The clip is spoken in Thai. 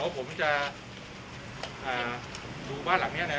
ผมจะดูบ้านหลังนี้นะ